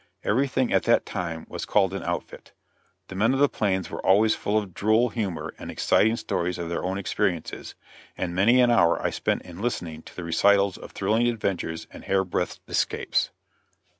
Everything at that time was called an "outfit." The men of the plains were always full of droll humor and exciting stories of their own experiences, and many an hour I spent in listening to the recitals of thrilling adventures and hair breadth escapes.